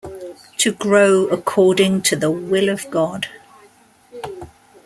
To grow according to the will of God!